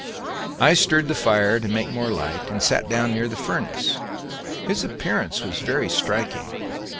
I stirred the fire to make more light and sat down near the furnace. His appearance was very striking.